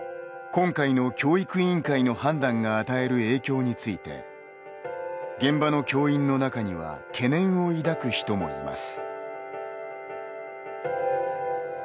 今回の教育委員会の判断が与える影響について現場の教員の中には懸念を抱く人もいます。